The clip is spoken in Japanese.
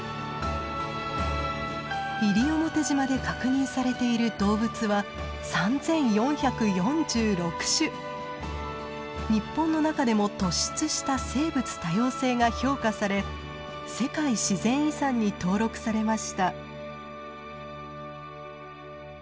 西表島で確認されている動物は日本の中でも突出した生物多様性が評価され世界自然遺産に登録されました。